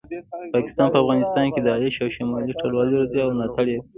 پاکستان په افغانستان کې داعش او شمالي ټلوالي روزي او ملاټړ یې کوي